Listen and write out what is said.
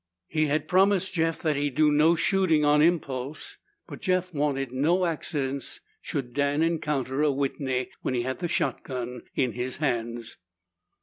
He had promised Jeff that he'd do no shooting on impulse, but Jeff wanted no accidents should Dan encounter a Whitney when he had the shotgun in his hands.